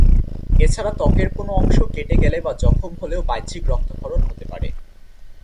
এছাড়াও ত্বকের কোনো অংশ কেটে গেলে বা জখম হলেও বাহ্যিক রক্তক্ষরণ হতে পারে।